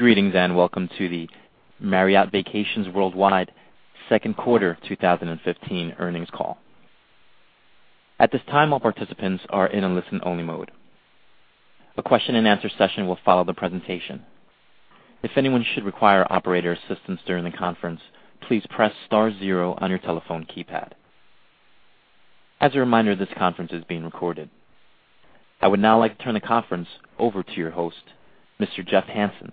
Greetings, welcome to the Marriott Vacations Worldwide second quarter 2015 earnings call. At this time, all participants are in a listen-only mode. A question and answer session will follow the presentation. If anyone should require operator assistance during the conference, please press star zero on your telephone keypad. As a reminder, this conference is being recorded. I would now like to turn the conference over to your host, Mr. Jeff Hansen,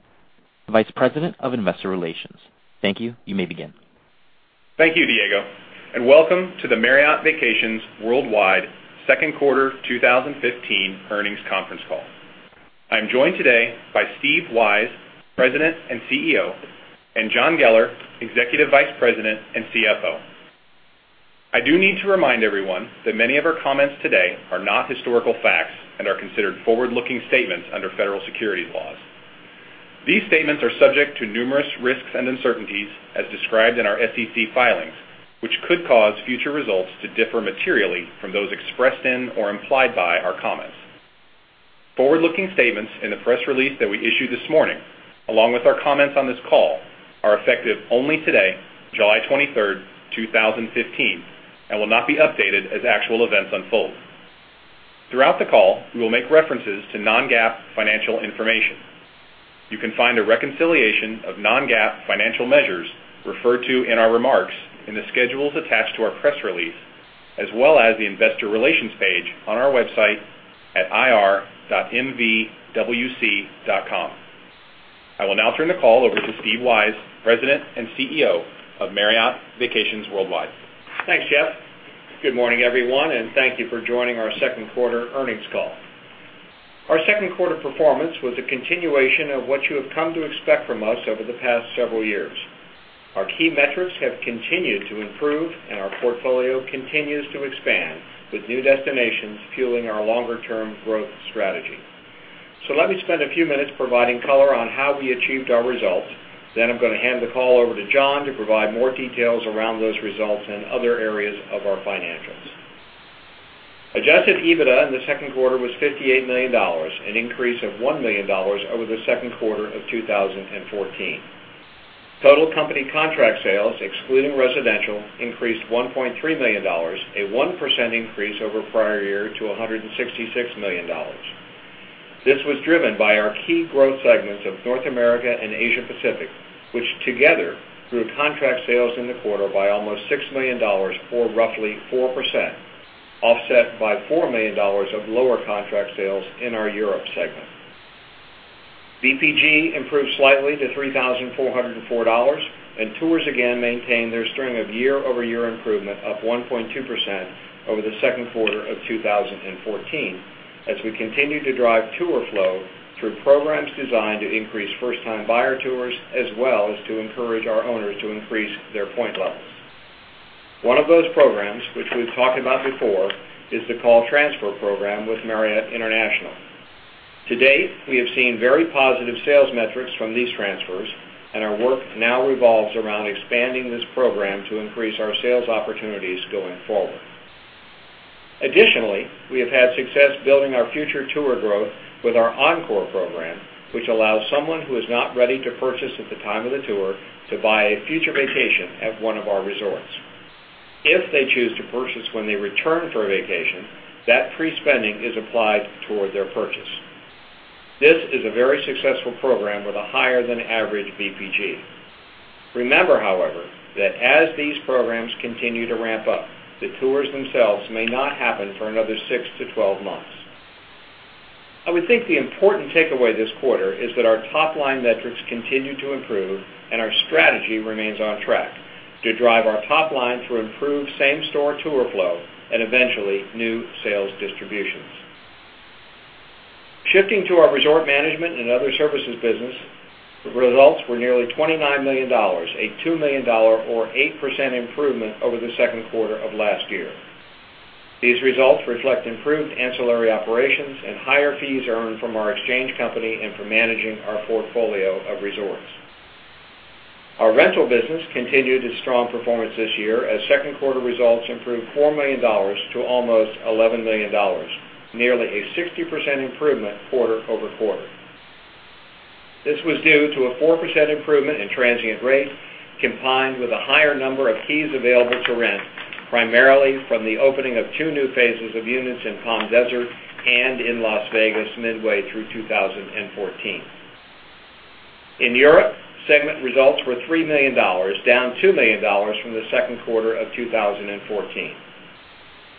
Vice President of Investor Relations. Thank you. You may begin. Thank you, Diego, welcome to the Marriott Vacations Worldwide second quarter 2015 earnings conference call. I'm joined today by Steve Weisz, President and CEO, and John Geller, Executive Vice President and CFO. I do need to remind everyone that many of our comments today are not historical facts and are considered forward-looking statements under federal securities laws. These statements are subject to numerous risks and uncertainties as described in our SEC filings, which could cause future results to differ materially from those expressed in or implied by our comments. Forward-looking statements in the press release that we issued this morning, along with our comments on this call, are effective only today, July 23rd, 2015, and will not be updated as actual events unfold. Throughout the call, we will make references to non-GAAP financial information. You can find a reconciliation of non-GAAP financial measures referred to in our remarks in the schedules attached to our press release, as well as the investor relations page on our website at ir.mvwc.com. I will now turn the call over to Steve Weisz, President and CEO of Marriott Vacations Worldwide. Thanks, Jeff. Good morning, everyone, thank you for joining our second quarter earnings call. Our second quarter performance was a continuation of what you have come to expect from us over the past several years. Our key metrics have continued to improve and our portfolio continues to expand with new destinations fueling our longer-term growth strategy. Let me spend a few minutes providing color on how we achieved our results. I'm going to hand the call over to John to provide more details around those results and other areas of our financials. Adjusted EBITDA in the second quarter was $58 million, an increase of $1 million over the second quarter of 2014. Total company contract sales, excluding residential, increased $1.3 million, a 1% increase over prior year to $166 million. This was driven by our key growth segments of North America and Asia Pacific, which together grew contract sales in the quarter by almost $6 million for roughly 4%, offset by $4 million of lower contract sales in our Europe segment. VPG improved slightly to $3,404, and tours again maintained their string of year-over-year improvement, up 1.2% over the second quarter of 2014, as we continue to drive tour flow through programs designed to increase first-time buyer tours, as well as to encourage our owners to increase their point levels. One of those programs, which we've talked about before, is the call transfer program with Marriott International. To date, we have seen very positive sales metrics from these transfers, and our work now revolves around expanding this program to increase our sales opportunities going forward. Additionally, we have had success building our future tour growth with our Encore program, which allows someone who is not ready to purchase at the time of the tour to buy a future vacation at one of our resorts. If they choose to purchase when they return for a vacation, that pre-spending is applied toward their purchase. This is a very successful program with a higher than average VPG. Remember, however, that as these programs continue to ramp up, the tours themselves may not happen for another six to 12 months. I would think the important takeaway this quarter is that our top-line metrics continue to improve and our strategy remains on track to drive our top line through improved same-store tour flow and eventually new sales distributions. Shifting to our resort management and other services business, the results were nearly $29 million, a $2 million or 8% improvement over the second quarter of last year. These results reflect improved ancillary operations and higher fees earned from our exchange company and for managing our portfolio of resorts. Our rental business continued its strong performance this year as second quarter results improved $4 million to almost $11 million, nearly a 60% improvement quarter-over-quarter. This was due to a 4% improvement in transient rates, combined with a higher number of keys available to rent, primarily from the opening of two new phases of units in Palm Desert and in Las Vegas midway through 2014. In Europe, segment results were $3 million, down $2 million from the second quarter of 2014.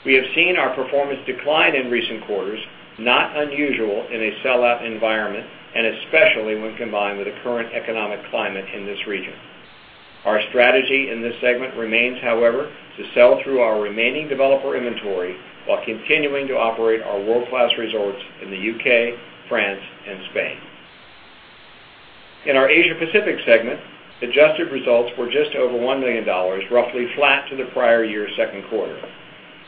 We have seen our performance decline in recent quarters, not unusual in a sellout environment and especially when combined with the current economic climate in this region. Our strategy in this segment remains, however, to sell through our remaining developer inventory while continuing to operate our world-class resorts in the U.K., France, and Spain. In our Asia Pacific segment, adjusted results were just over $1 million, roughly flat to the prior year second quarter.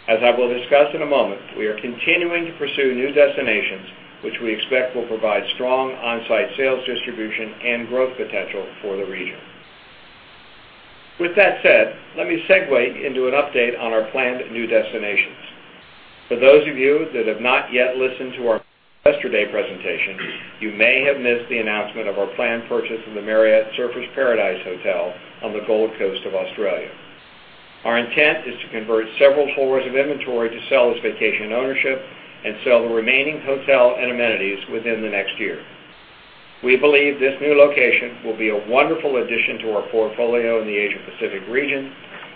As I will discuss in a moment, we are continuing to pursue new destinations, which we expect will provide strong on-site sales distribution and growth potential for the region. With that said, let me segue into an update on our planned new destinations. For those of you that have not yet listened to our Investor Day presentation, you may have missed the announcement of our planned purchase of the Marriott Surfers Paradise Hotel on the Gold Coast of Australia. Our intent is to convert several floors of inventory to sell as vacation ownership and sell the remaining hotel and amenities within the next year. We believe this new location will be a wonderful addition to our portfolio in the Asia-Pacific region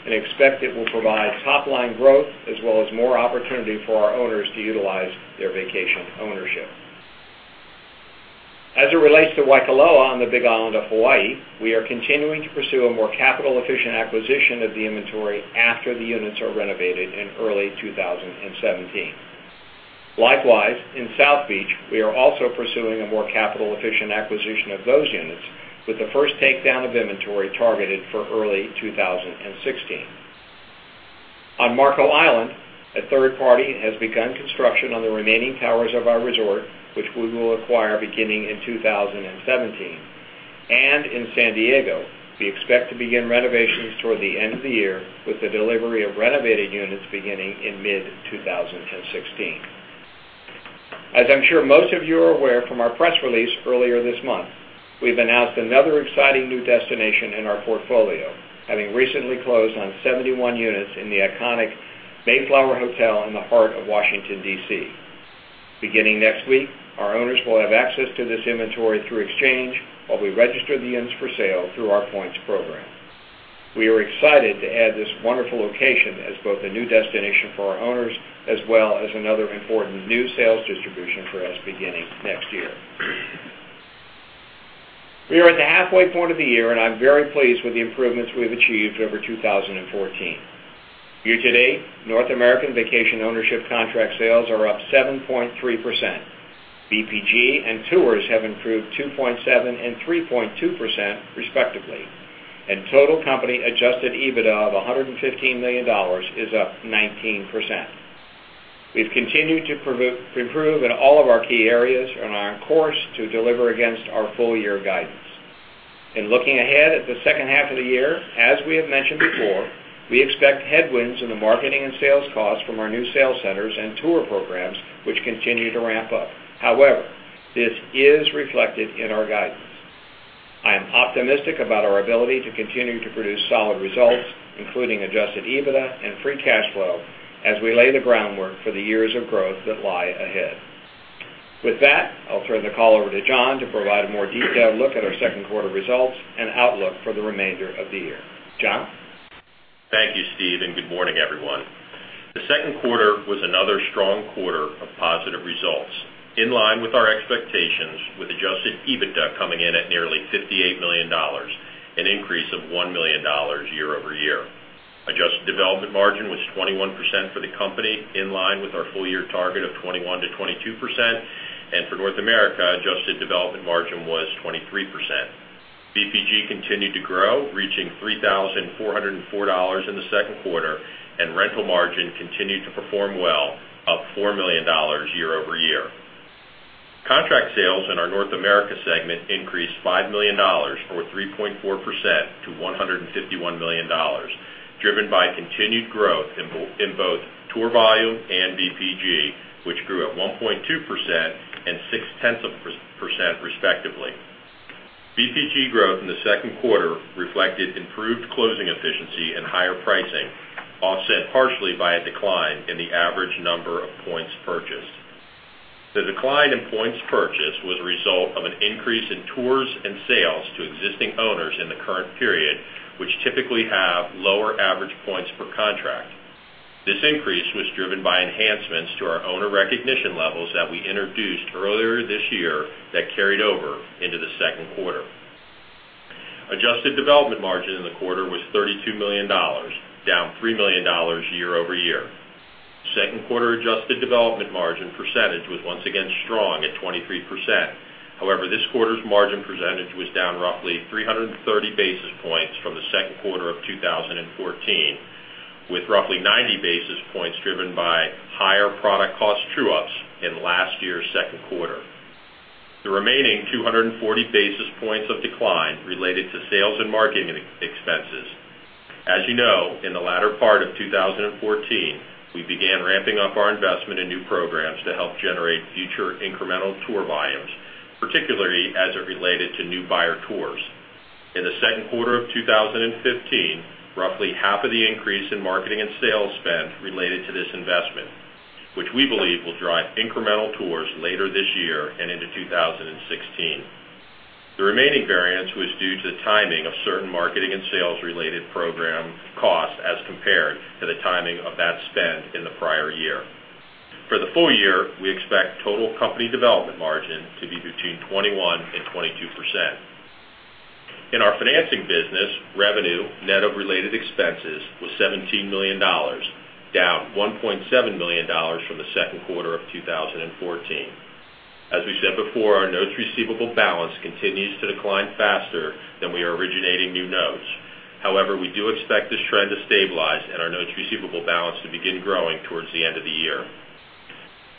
and expect it will provide top-line growth as well as more opportunity for our owners to utilize their vacation ownership. As it relates to Waikoloa on the Big Island of Hawaii, we are continuing to pursue a more capital-efficient acquisition of the inventory after the units are renovated in early 2017. Likewise, in South Beach, we are also pursuing a more capital-efficient acquisition of those units with the first takedown of inventory targeted for early 2016. In San Diego, we expect to begin renovations toward the end of the year with the delivery of renovated units beginning in mid-2016. As I'm sure most of you are aware from our press release earlier this month, we've announced another exciting new destination in our portfolio, having recently closed on 71 units in the iconic Mayflower Hotel in the heart of Washington, D.C. Beginning next week, our owners will have access to this inventory through exchange while we register the units for sale through our points program. We are excited to add this wonderful location as both a new destination for our owners as well as another important new sales distribution for us beginning next year. We are at the halfway point of the year, and I'm very pleased with the improvements we've achieved over 2014. Year-to-date, North American vacation ownership contract sales are up 7.3%. VPG and tours have improved 2.7% and 3.2%, respectively. Total company adjusted EBITDA of $115 million is up 19%. We've continued to improve in all of our key areas and are on course to deliver against our full-year guidance. In looking ahead at the second half of the year, as we have mentioned before, we expect headwinds in the marketing and sales costs from our new sales centers and tour programs, which continue to ramp up. However, this is reflected in our guidance. I am optimistic about our ability to continue to produce solid results, including adjusted EBITDA and free cash flow, as we lay the groundwork for the years of growth that lie ahead. With that, I'll turn the call over to John to provide a more detailed look at our second quarter results and outlook for the remainder of the year. John? Thank you, Steve, and good morning, everyone. The second quarter was another strong quarter of positive results in line with our expectations with adjusted EBITDA coming in at nearly $58 million, an increase of $1 million year-over-year. Adjusted development margin was 21% for the company, in line with our full-year target of 21%-22%, and for North America, adjusted development margin was 23%. VPG continued to grow, reaching $3,404 in the second quarter, and rental margin continued to perform well, up $4 million year-over-year. Contract sales in our North America segment increased $5 million or 3.4% to $151 million, driven by continued growth in both tour volume and VPG, which grew at 1.2% and six-tenths of a percent, respectively. VPG growth in the second quarter reflected improved closing efficiency and higher pricing, offset partially by a decline in the average number of points purchased. The decline in points purchased was a result of an increase in tours and sales to existing owners in the current period, which typically have lower average points per contract. This increase was driven by enhancements to our owner recognition levels that we introduced earlier this year that carried over into the second quarter. Adjusted development margin in the quarter was $32 million, down $3 million year-over-year. Second quarter adjusted development margin percentage was once again strong at 23%. This quarter's margin percentage was down roughly 330 basis points from the second quarter of 2014, with roughly 90 basis points driven by higher product cost true-ups in last year's second quarter. The remaining 240 basis points of decline related to sales and marketing expenses. As you know, in the latter part of 2014, we began ramping up our investment in new programs to help generate future incremental tour volumes, particularly as it related to new buyer tours. In the second quarter of 2015, roughly half of the increase in marketing and sales spend related to this investment, which we believe will drive incremental tours later this year and into 2016. The remaining variance was due to the timing of certain marketing and sales-related program costs as compared to the timing of that spend in the prior year. For the full-year, we expect total company development margin to be between 21%-22%. In our financing business, revenue, net of related expenses, was $17 million, down $1.7 million from the second quarter of 2014. As we said before, our notes receivable balance continues to decline faster than we are originating new notes. We do expect this trend to stabilize and our notes receivable balance to begin growing towards the end of the year.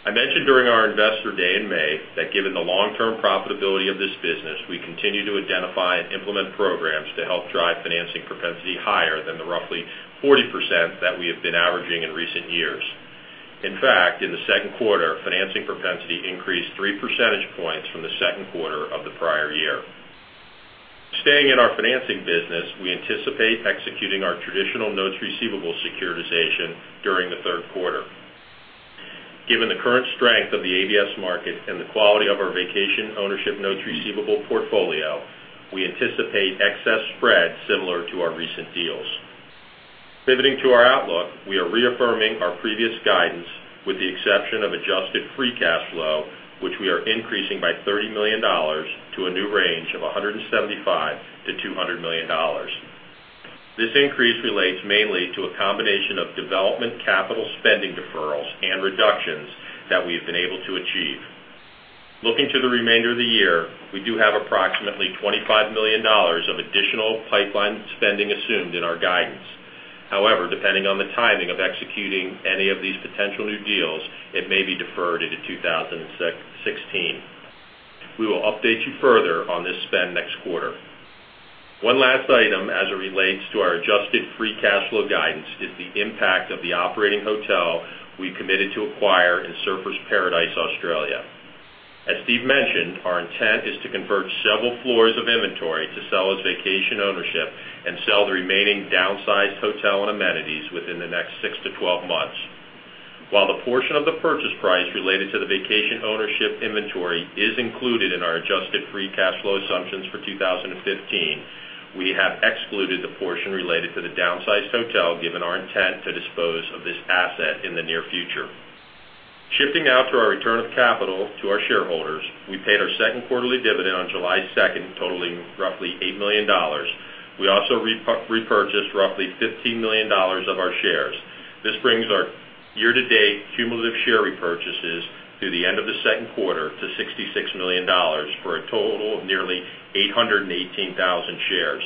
I mentioned during our investor day in May that given the long-term profitability of this business, we continue to identify and implement programs to help drive financing propensity higher than the roughly 40% that we have been averaging in recent years. In fact, in the second quarter, financing propensity increased three percentage points from the second quarter of the prior year. Staying in our financing business, we anticipate executing our traditional notes receivable securitization during the third quarter. Given the current strength of the ABS market and the quality of our vacation ownership notes receivable portfolio, we anticipate excess spread similar to our recent deals. Pivoting to our outlook, we are reaffirming our previous guidance with the exception of adjusted free cash flow, which we are increasing by $30 million to a new range of $175 million to $200 million. This increase relates mainly to a combination of development, capital spending deferrals, and reductions that we have been able to achieve. Looking to the remainder of the year, we do have approximately $25 million of additional pipeline spending assumed in our guidance. However, depending on the timing of executing any of these potential new deals, it may be deferred into 2016. We will update you further on this spend next quarter. One last item as it relates to our adjusted free cash flow guidance is the impact of the operating hotel we committed to acquire in Surfers Paradise, Australia. As Steve mentioned, our intent is to convert several floors of inventory to sell as vacation ownership and sell the remaining downsized hotel and amenities within the next six to 12 months. While the portion of the purchase price related to the vacation ownership inventory is included in our adjusted free cash flow assumptions for 2015, we have excluded the portion related to the downsized hotel, given our intent to dispose of this asset in the near future. Shifting now to our return of capital to our shareholders, we paid our second quarterly dividend on July 2nd, totaling roughly $8 million. We also repurchased roughly $15 million of our shares. This brings our year-to-date cumulative share repurchases through the end of the second quarter to $66 million, for a total of nearly 818,000 shares.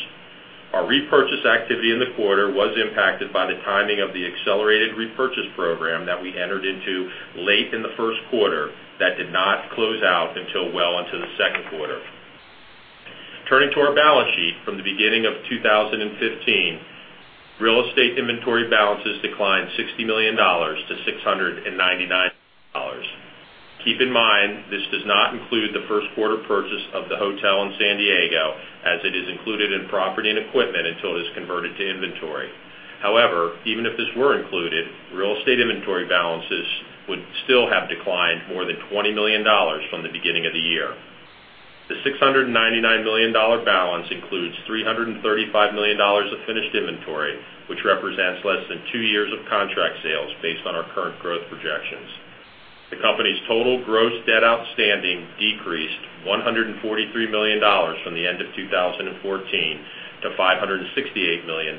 Our repurchase activity in the quarter was impacted by the timing of the accelerated repurchase program that we entered into late in the first quarter that did not close out until well into the second quarter. Turning to our balance sheet, from the beginning of 2015, real estate inventory balances declined $60 million to $699 million. Keep in mind, this does not include the first quarter purchase of the hotel in San Diego as it is included in property and equipment until it is converted to inventory. However, even if this were included, real estate inventory balances would still have declined more than $20 million from the beginning of the year. The $699 million balance includes $335 million of finished inventory, which represents less than two years of contract sales based on our current growth projections. The company's total gross debt outstanding decreased $143 million from the end of 2014 to $568 million,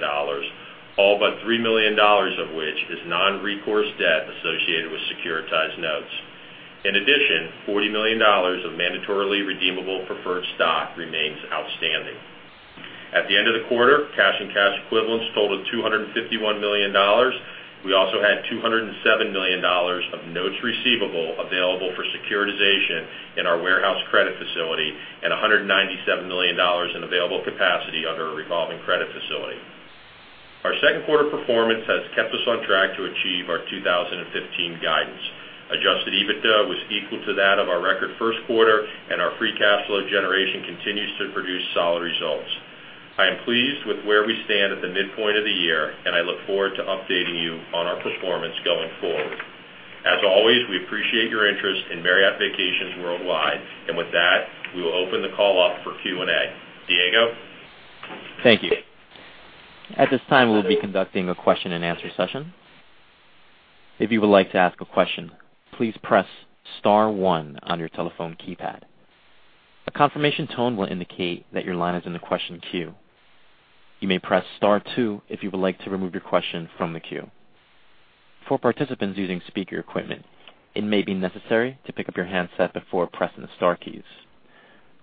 all but $3 million of which is non-recourse debt associated with securitized notes. In addition, $40 million of mandatorily redeemable preferred stock remains outstanding. At the end of the quarter, cash and cash equivalents totaled $251 million. We also had $207 million of notes receivable available for securitization in our warehouse credit facility and $197 million in available capacity under a revolving credit facility. Our second quarter performance has kept us on track to achieve our 2015 guidance. Adjusted EBITDA was equal to that of our record first quarter, and our free cash flow generation continues to produce solid results. I am pleased with where we stand at the midpoint of the year, and I look forward to updating you on our performance going forward. As always, we appreciate your interest in Marriott Vacations Worldwide. With that, we will open the call up for Q&A. Diego? Thank you. At this time, we'll be conducting a question and answer session. If you would like to ask a question, please press *1 on your telephone keypad. A confirmation tone will indicate that your line is in the question queue. You may press *2 if you would like to remove your question from the queue. For participants using speaker equipment, it may be necessary to pick up your handset before pressing the star keys.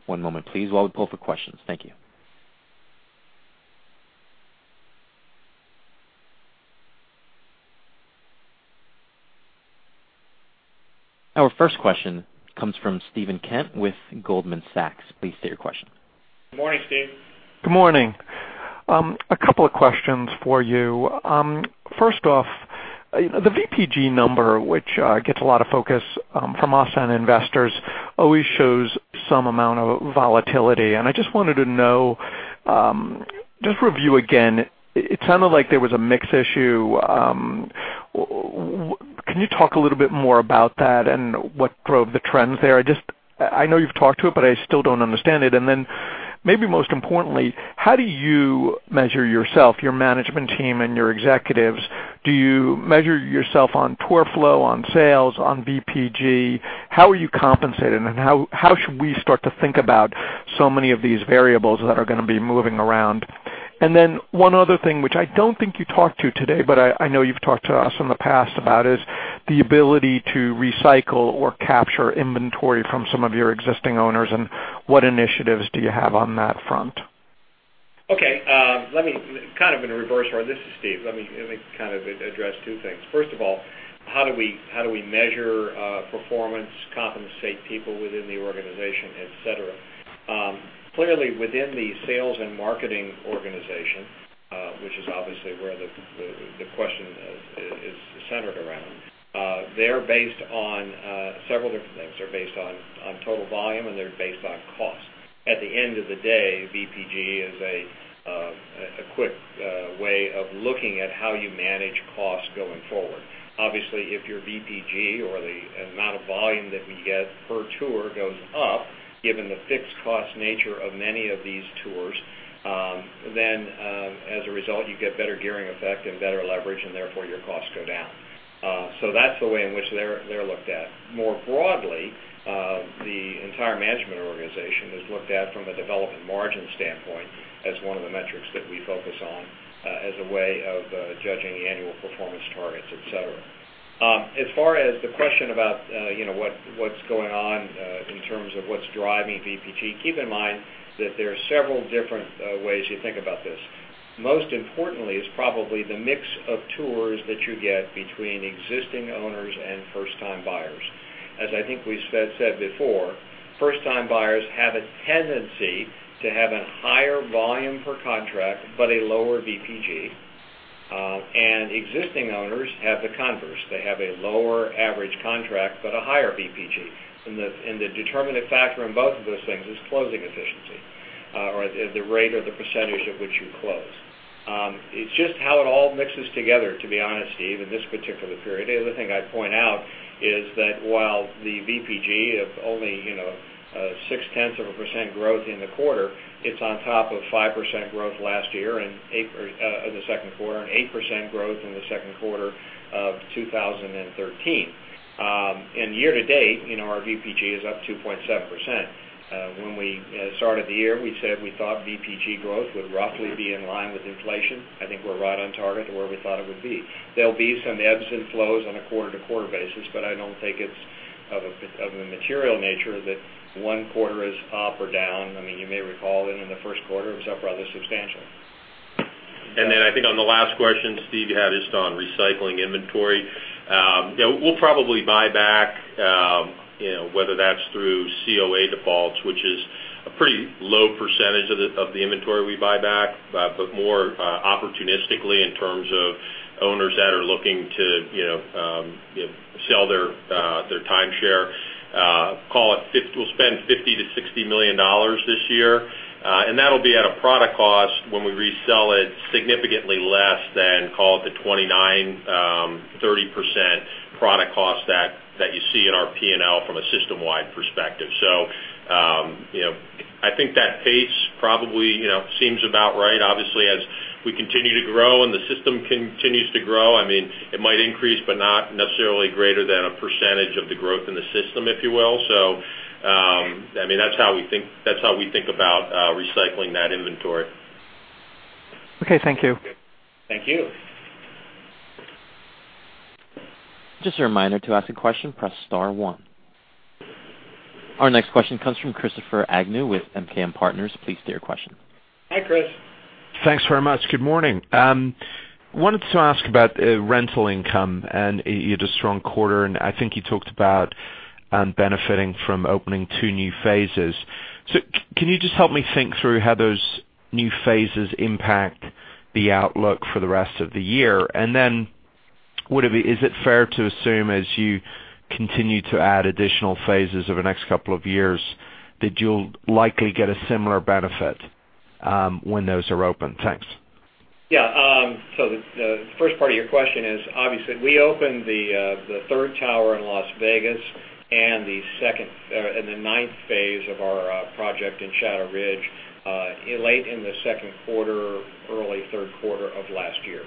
One moment please while we pull for questions. Thank you. Our first question comes from Steven Kent with Goldman Sachs. Please state your question. Morning, Steve. Good morning. A couple of questions for you. First off, the VPG number, which gets a lot of focus from us and investors, always shows some amount of volatility. I just wanted to know, just review again, it sounded like there was a mix issue. Can you talk a little bit more about that and what drove the trends there? I know you've talked to it, I still don't understand it. Maybe most importantly, how do you measure yourself, your management team, and your executives? Do you measure yourself on tour flow, on sales, on VPG? How are you compensated, how should we start to think about so many of these variables that are going to be moving around? One other thing, which I don't think you talked to today, but I know you've talked to us in the past about, is the ability to recycle or capture inventory from some of your existing owners, and what initiatives do you have on that front? Okay. Let me, kind of in a reverse order, this is Steve, let me address two things. First of all, how do we measure performance, compensate people within the organization, et cetera. Clearly, within the sales and marketing organization, which is obviously where the question is centered around, they're based on several different things. They're based on total volume, and they're based on cost. At the end of the day, VPG is a quick way of looking at how you manage costs going forward. Obviously, if your VPG or the amount of volume that we get per tour goes up, given the fixed cost nature of many of these tours, then as a result, you get better gearing effect and better leverage, and therefore, your costs go down. That's the way in which they're looked at. More broadly, the entire management organization is looked at from a development margin standpoint as one of the metrics that we focus on as a way of judging the annual performance targets, et cetera. As far as the question about what's going on in terms of what's driving VPG, keep in mind that there are several different ways you think about this. Most importantly is probably the mix of tours that you get between existing owners and first-time buyers. As I think we said before, first-time buyers have a tendency to have a higher volume per contract but a lower VPG, and existing owners have the converse. They have a lower average contract but a higher VPG. The determinative factor in both of those things is closing efficiency or the rate or the percentage at which you close. It's just how it all mixes together, to be honest, Steve, in this particular period. The other thing I'd point out is that while the VPG of only 6/10 of a % growth in the quarter, it's on top of 5% growth last year in the second quarter and 8% growth in the second quarter of 2013. Year to date, our VPG is up 2.7%. When we started the year, we said we thought VPG growth would roughly be in line with inflation. I think we're right on target to where we thought it would be. There'll be some ebbs and flows on a quarter-to-quarter basis, but I don't think it's of a material nature that one quarter is up or down. You may recall that in the first quarter, it was up rather substantially. I think on the last question, Steve, you had just on recycling inventory. We'll probably buy back, whether that's through HOA defaults, which is a pretty low percentage of the inventory we buy back, but more opportunistically in terms of owners that are looking to sell their timeshare, we'll spend $50 million-$60 million this year, and that'll be at a product cost when we resell it significantly less than call it the 29%-30% product cost that you see in our P&L from a system-wide perspective. I think that pace probably seems about right. Obviously, as we continue to grow and the system continues to grow, it might increase, but not necessarily greater than a percentage of the growth in the system, if you will. That's how we think about recycling that inventory. Okay, thank you. Thank you. Just a reminder, to ask a question, press *1. Our next question comes from Christopher Agnew with MKM Partners. Please state your question. Hi, Chris. Thanks very much. Good morning. You had a strong quarter, and I think you talked about benefiting from opening two new phases. Can you just help me think through how those new phases impact the outlook for the rest of the year? Is it fair to assume, as you continue to add additional phases over the next couple of years, that you'll likely get a similar benefit when those are open? Thanks. Yeah. The first part of your question is, obviously, we opened the third tower in Las Vegas and the ninth phase of our project in Shadow Ridge late in the second quarter, early third quarter of last year.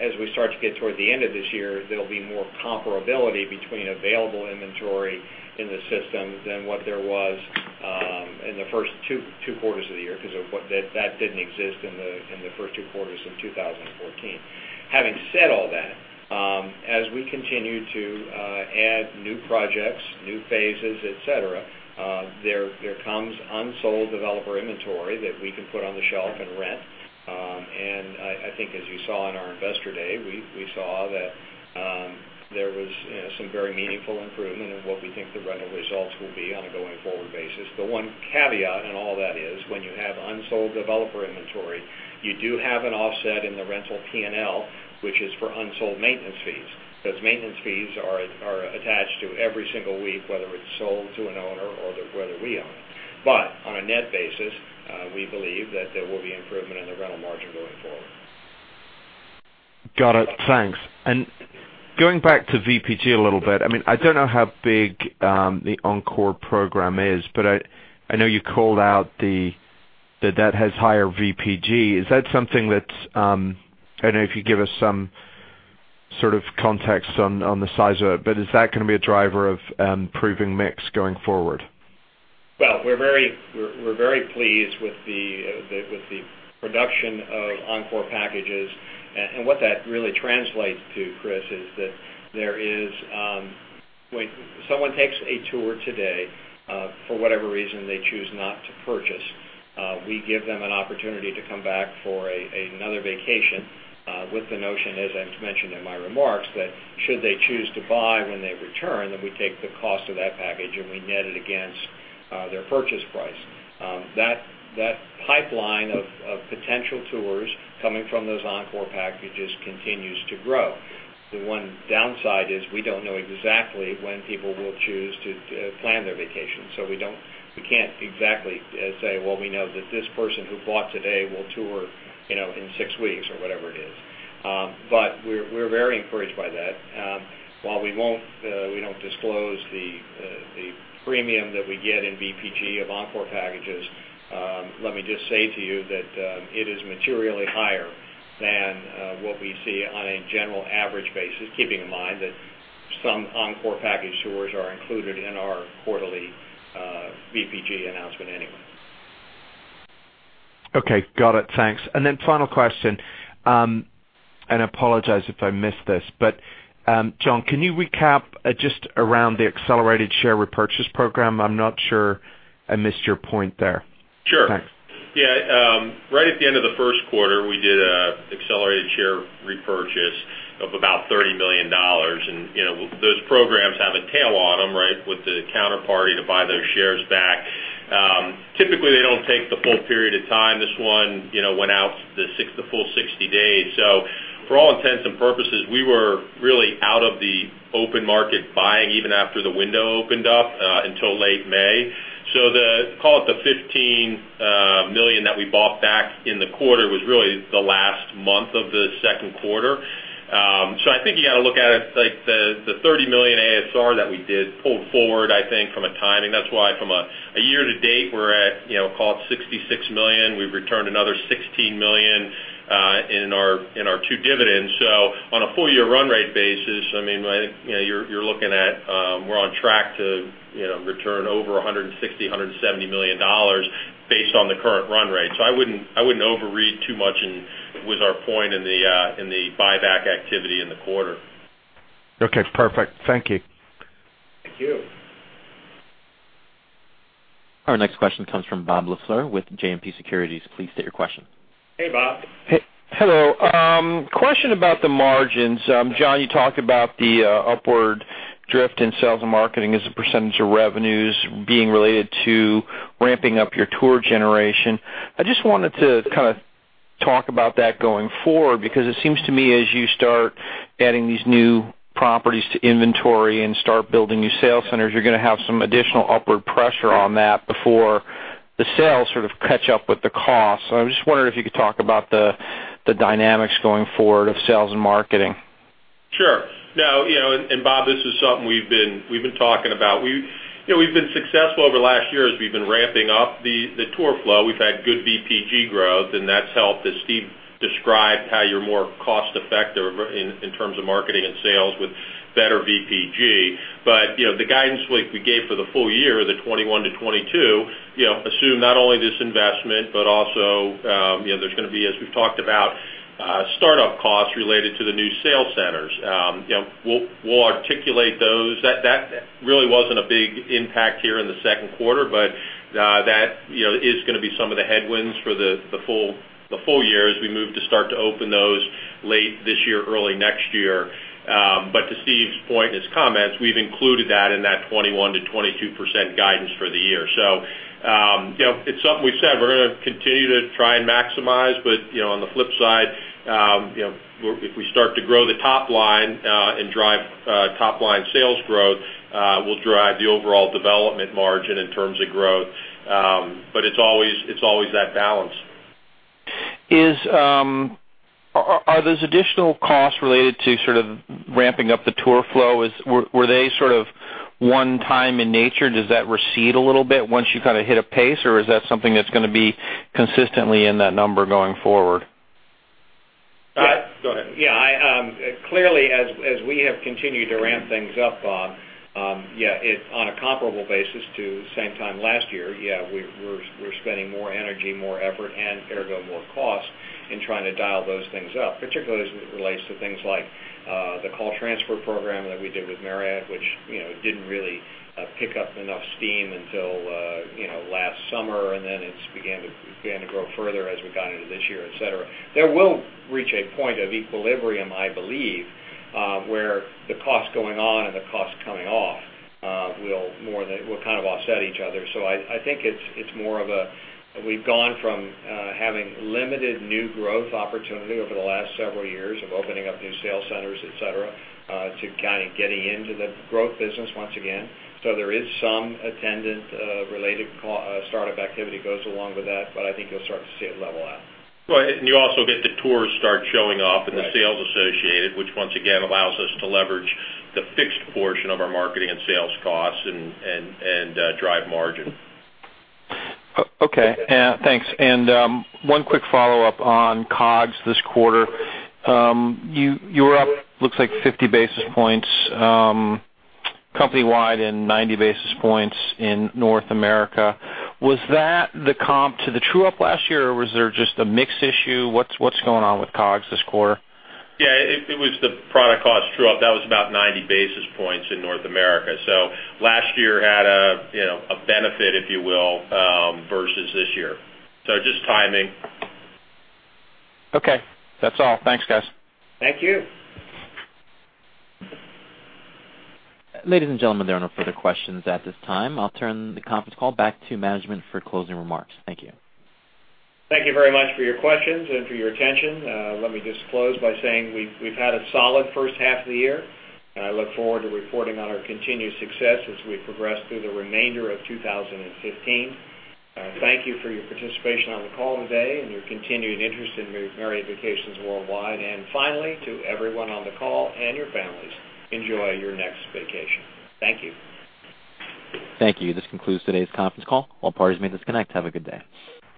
As we start to get toward the end of this year, there'll be more comparability between available inventory in the system than what there was in the first two quarters of the year, because that didn't exist in the first two quarters of 2014. Having said all that, as we continue to add new projects, new phases, et cetera, there comes unsold developer inventory that we can put on the shelf and rent. I think as you saw in our investor day, we saw that there was some very meaningful improvement in what we think the rental results will be on a going forward basis. The one caveat in all that is when you have unsold developer inventory, you do have an offset in the rental P&L, which is for unsold maintenance fees, because maintenance fees are attached to every single week, whether it's sold to an owner or whether we own it. On a net basis, we believe that there will be improvement in the rental margin going forward. Got it. Thanks. Going back to VPG a little bit, I don't know how big the Encore program is, but I know you called out that has higher VPG. Is that something that's I don't know if you give us some sort of context on the size of it, but is that going to be a driver of improving mix going forward? Well, we're very pleased with the production of Encore packages, and what that really translates to, Chris, is that there is When someone takes a tour today, for whatever reason they choose not to purchase, we give them an opportunity to come back for another vacation with the notion, as I mentioned in my remarks, that should they choose to buy when they return, then we take the cost of that package, and we net it against their purchase price. That pipeline of potential tours coming from those Encore packages continues to grow. The one downside is we don't know exactly when people will choose to plan their vacation. We can't exactly say, "Well, we know that this person who bought today will tour in six weeks," or whatever it is. We're very encouraged by that. While we don't disclose the premium that we get in VPG of Encore packages, let me just say to you that it is materially higher than what we see on a general average basis, keeping in mind that some Encore package tours are included in our quarterly VPG announcement anyway. Okay. Got it. Thanks. Final question, and I apologize if I missed this, but John, can you recap just around the accelerated share repurchase program? I'm not sure I missed your point there. Sure. Thanks. Yeah. Right at the end of the first quarter, we did an accelerated share repurchase of about $30 million. Those programs have a tail on them with the counterparty to buy those shares back. Typically, they don't take the full period of time. This one went out the full 60 days. For all intents and purposes, we were really out of the open market buying even after the window opened up, until late May. Call it the $15 million that we bought back in the quarter was really the last month of the second quarter. I think you got to look at it like the $30 million ASR that we did pulled forward, I think, from a timing. That's why from a year-to-date, we're at call it $66 million. We've returned another $16 million in our two dividends. On a full-year run rate basis, you're looking at we're on track to return over $160, $170 million based on the current run rate. I wouldn't overread too much in with our point in the buyback activity in the quarter. Okay. Perfect. Thank you. Thank you. Our next question comes from Robert LaFleur with JMP Securities. Please state your question. Hey, Bob. Hello. Question about the margins. John, you talked about the upward drift in sales and marketing as a percentage of revenues being related to ramping up your tour generation. I just wanted to talk about that going forward, because it seems to me, as you start adding these new properties to inventory and start building new sales centers, you're going to have some additional upward pressure on that before the sales sort of catch up with the cost. I was just wondering if you could talk about the dynamics going forward of sales and marketing. Sure. Now, Bob, this is something we've been talking about. We've been successful over the last year as we've been ramping up the tour flow. We've had good VPG growth, and that's helped, as Steve described, how you're more cost effective in terms of marketing and sales with better VPG. The guidance we gave for the full year, the 21%-22%, assume not only this investment, but also there's going to be, as we've talked about, startup costs related to the new sales centers. We'll articulate those. That really wasn't a big impact here in the second quarter, but that is going to be some of the headwinds for the full year as we move to start to open those late this year, early next year. To Steve's point and his comments, we've included that in that 21%-22% guidance for the year. It's something we've said we're going to continue to try and maximize, on the flip side, if we start to grow the top line and drive top-line sales growth, we'll drive the overall development margin in terms of growth. It's always that balance. Are those additional costs related to ramping up the tour flow, were they one time in nature? Does that recede a little bit once you hit a pace? Is that something that's going to be consistently in that number going forward? Go ahead. Clearly, as we have continued to ramp things up, Bob, on a comparable basis to same time last year, we're spending more energy, more effort and ergo more cost in trying to dial those things up, particularly as it relates to things like the call transfer program that we did with Marriott, which didn't really pick up enough steam until last summer, and then it began to grow further as we got into this year, et cetera. That will reach a point of equilibrium, I believe, where the cost going on and the cost coming off will kind of offset each other. I think it's more of a we've gone from having limited new growth opportunity over the last several years of opening up new sales centers, et cetera, to getting into the growth business once again. There is some attendant related startup activity goes along with that, but I think you'll start to see it level out. Right. You also get the tours start showing up and the sales associated, which once again allows us to leverage the fixed portion of our marketing and sales costs and drive margin. Okay, thanks. One quick follow-up on COGS this quarter. You were up, looks like 50 basis points company-wide and 90 basis points in North America. Was that the comp to the true-up last year, or was there just a mix issue? What's going on with COGS this quarter? Yeah. It was the product cost true-up. That was about 90 basis points in North America. Last year had a benefit, if you will, versus this year. Just timing. Okay. That's all. Thanks, guys. Thank you. Ladies and gentlemen, there are no further questions at this time. I'll turn the conference call back to management for closing remarks. Thank you. Thank you very much for your questions and for your attention. Let me just close by saying we've had a solid first half of the year, and I look forward to reporting on our continued success as we progress through the remainder of 2015. Thank you for your participation on the call today and your continuing interest in Marriott Vacations Worldwide. Finally, to everyone on the call and your families, enjoy your next vacation. Thank you. Thank you. This concludes today's conference call. All parties may disconnect. Have a good day.